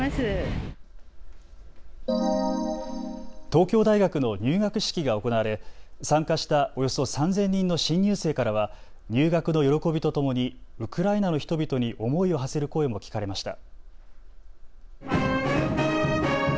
東京大学の入学式が行われ参加したおよそ３０００人の新入生からは入学の喜びとともにウクライナの人々に思いをはせる声も聞かれました。